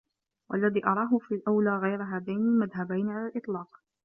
وَاَلَّذِي أَرَاهُ فِي الْأَوْلَى غَيْرُ هَذَيْنِ الْمَذْهَبَيْنِ عَلَى الْإِطْلَاقِ